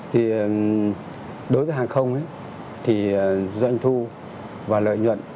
thì đối với hàng không thì doanh thu và lợi nhuận